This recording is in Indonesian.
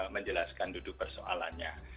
menjelaskan duduk persoalannya